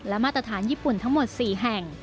และมาตรฐานญี่ปุ่นทั้งหมด๔แห่ง